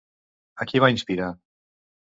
A qui va inspirar?